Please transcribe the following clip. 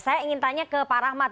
saya ingin tanya ke pak rahmat